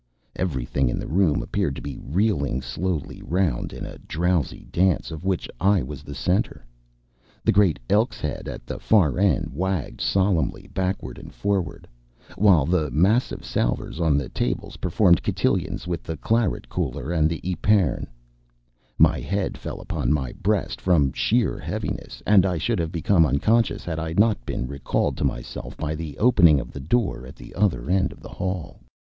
Everything in the room appeared to be reeling slowly round in a drowsy dance, of which I was the centre. The great elk's head at the far end wagged solemnly backward and forward, while the massive salvers on the tables performed cotillons with the claret cooler and the epergne. My head fell upon my breast from sheer heaviness, and I should have become unconscious had I not been recalled to myself by the opening of the door at the other end of the hall.